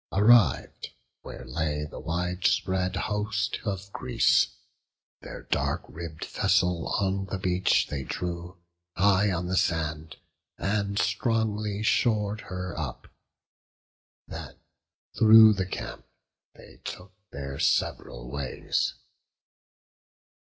Arriv'd where lay the wide spread host of Greece, Their dark ribb'd vessel on the beach they drew High on the sand, and strongly shor'd her up; Then through the camp they took their sev'ral ways.